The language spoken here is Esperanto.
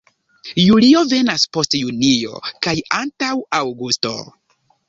Julio venas post junio kaj antaŭ aŭgusto.